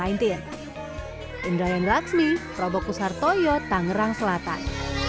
indra yan raksmi prabokusar toyo tangerang selatan